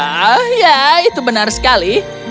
oh ya itu benar sekali